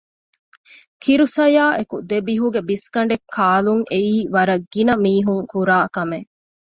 ކިރު ސަޔާއެކު ދެބިހުގެ ބިސްގަނޑެއް ކާލުން އެއީ ވަރަށް ގިނަމީހުން ކުރާކަމެއް